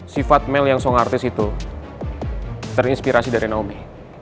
sifat mel yang song artist itu terinspirasi dari naomi